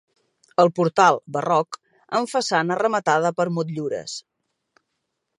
El portal, barroc, amb façana rematada per motllures.